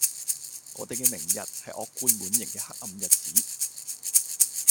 我地既明日,係惡貫滿刑既黑暗日子